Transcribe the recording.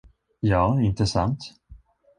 Ja, inte sant?